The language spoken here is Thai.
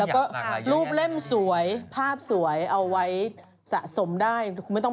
เราก็รูปเล่มสวยภาพสวยเอาไว้สะสมได้